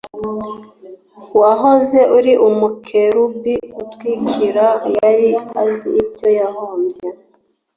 wahoze ari umukerubi utwikira, yari azi ibyo yahombye